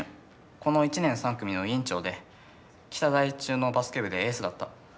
この１年３組の委員長で北第一中のバスケ部でエースだった。